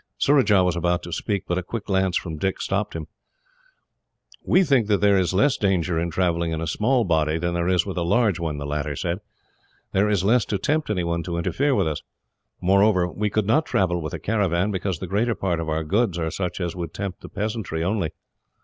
Surajah was about to speak, but a quick glance from Dick stopped him. "We think there is less danger in travelling in a small body than there is with a large one," the latter said. "There is less to tempt anyone to interfere with us. Moreover, we could not travel with a caravan, because the greater part of our goods are such as would tempt the peasantry only.